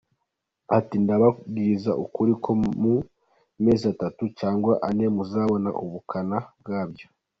Ati “ Ndababwiza ukuri ko mu mezi atatu cyangwa ane muzabona ubukana bwabyo.